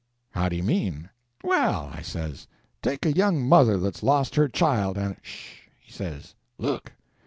"How d'you mean?" "Well," I says, "take a young mother that's lost her child, and—" "Sh!" he says. "Look!"